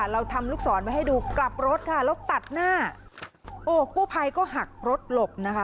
เราทำลูกศรไว้ให้ดูกลับรถค่ะแล้วตัดหน้าโอ้กู้ภัยก็หักรถหลบนะคะ